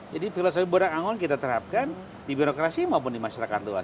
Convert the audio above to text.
jadi filosofi budak angon kita terapkan di birokrasi maupun di masyarakat luas